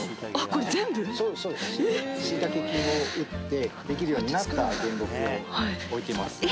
これ全部⁉しいたけ菌を打ってできるようになった原木を置いてます。